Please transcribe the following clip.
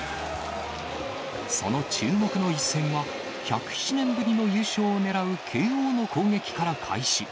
その注目の一戦は、１０７年ぶりの優勝を狙う慶応の攻撃から開始。